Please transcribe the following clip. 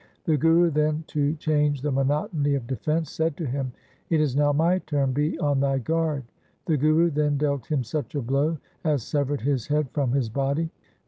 The Guru then, to change the monotony of defence, said to him, ' It is now my turn, be on thy guard.' The Guru then dealt him such a blow as severed his head from his body.